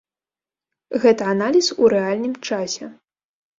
Гэта аналіз у рэальным часе.